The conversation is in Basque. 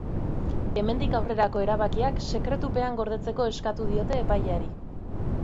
Hemendik aurrerako erabakiak sekretupean gordetzeko eskatu diote epaileari.